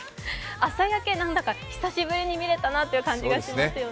朝焼け、久しぶりに見れたなという感じがしますよね。